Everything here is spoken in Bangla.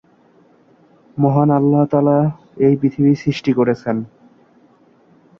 তিনি দাবি করেন এটি তার সহযোগিতায় করা হয়েছে।